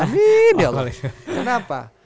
amin ya allah kenapa